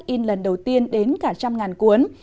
nguyễn nhật ánh có lựa sách in lần đầu tiên đến cả trăm ngàn cuốn